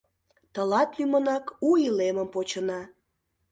Тылат лӱмынак у илемым почына.